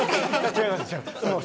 違います。